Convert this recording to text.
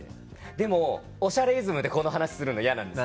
でも『おしゃれイズム』でこの話するの嫌なんです。